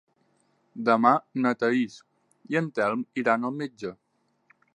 Demà na Thaís i en Telm iran al metge.